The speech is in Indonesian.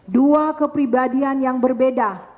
dua kepribadian yang berbeda